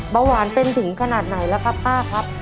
เบาหวานเป็นถึงขนาดไหนแล้วครับป้าครับ